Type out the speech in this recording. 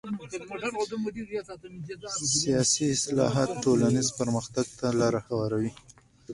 سیاسي اصلاحات ټولنیز پرمختګ ته لاره هواروي